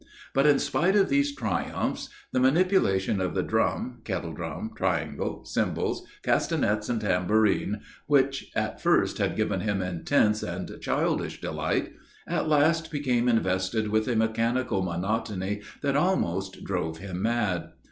But in spite of these triumphs, the manipulation of the drum, kettle drum, triangle, cymbals, castagnettes and tambourine, which at first had given him intense and childish delight, at last became invested with a mechanical monotony that almost drove him mad.